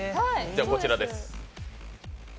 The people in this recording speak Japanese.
こちらです。